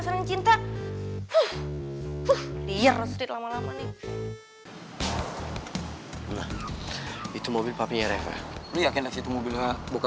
cinta cinta uh uh liar lama lama nih itu mobilnya reva ya kena situ mobilnya buka